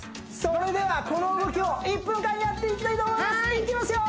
それではこの動きを１分間やっていきたいと思いますいきますよ！